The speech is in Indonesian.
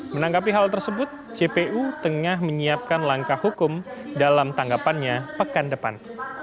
menanggapi hal tersebut cpu tengah menyiapkan langkah hukum dalam tanggapannya pekan depan